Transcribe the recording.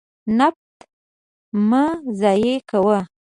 نفت مه ضایع کوه.